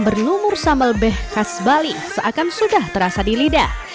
berlumur sambal beh khas bali seakan sudah terasa di lidah